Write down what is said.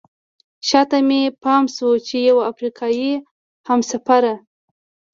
شاته مې پام شو چې یوه افریقایي همسفره.